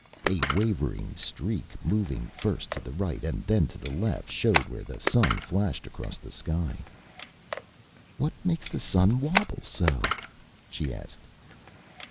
A wavering streak, moving first to the right and then to the left, showed where the sun flashed across the sky. "What makes the sun wabble so?" she asked.